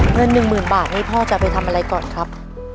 เงินหนึ่งหมื่นบาทให้พ่อจะไปทำอะไรก่อนครับ